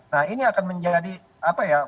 nah ini akan menjadi apa ya